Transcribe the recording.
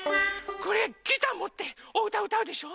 これギターもっておうたうたうでしょ。